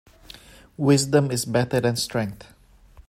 Wisdom is better than strength.